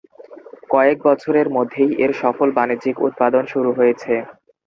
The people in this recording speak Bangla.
কয়েক বছরের মধ্যেই এর সফল বাণিজ্যিক উৎপাদন শুরু হয়েছে।